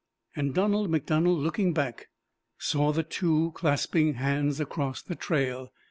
And Donald MacDonald, looking back, saw the two clasping hands across the trail.